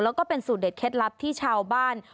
แล้วก็เป็นสูตรเด็ดเคล็ดลับที่ชาวบ้าน